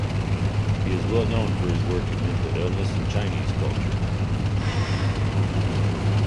He is well known for his work on mental illness in Chinese culture.